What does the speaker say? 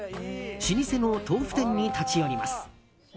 老舗の豆腐店に立ち寄ります。